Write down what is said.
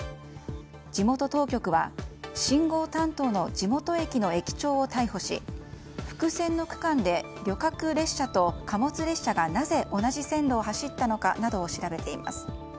地元当局は信号担当の地元駅の駅長を逮捕し複線の区間で旅客列車と貨物列車がなぜ同じ線路を走ったのかなどを調べています。